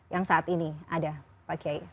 yang saat ini ada pak kiai